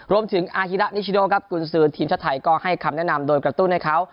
รวมถึงอาฮิระนิชิโนครับกุญสือทีมชาติไทยก็ให้คำแนะนำโดยกระตุ้นให้เขา